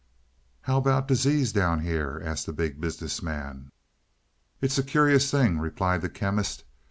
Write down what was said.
"How about disease down here?" asked the Big Business Man. "It is a curious thing," replied the Chemist.